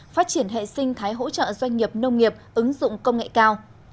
phát triển hệ sinh thái hỗ trợ doanh nghiệp nông nghiệp ứng dụng công nghệ cao